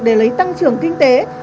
để lấy tăng trường kinh tế